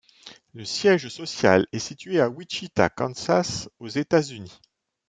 Le siège social est situé à Wichita, Kansas, aux États-unis.